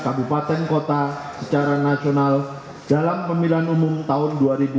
rakyat daerah kabupaten kota secara nasional dalam pemilihan umum tahun dua ribu sembilan belas